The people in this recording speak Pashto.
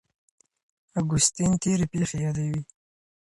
اګوستين تېرې پېښې يادوي.